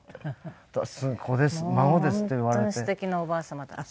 本当に素敵なおばあ様だった。